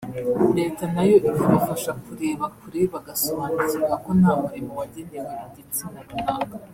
Leta nayo ikabafasha kureba kure bagasobanukirwa ko nta murimo wagenewe igitsina runaka